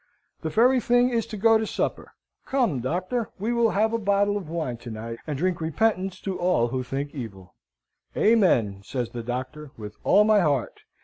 "The very thing is to go to supper. Come, Doctor! We will have a bottle of wine to night, and drink repentance to all who think evil." "Amen," says the Doctor; "with all my heart!"